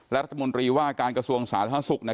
การกระทรวงสารภาษาศกระทรวงบรรทำดาวนี้